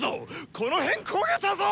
この辺焦げたぞ！